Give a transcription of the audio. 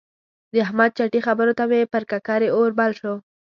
د احمد چټي خبرو ته مې پر ککرۍ اور بل شو.